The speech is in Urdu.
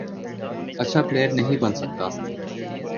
اچھا پلئیر نہیں بن سکتا،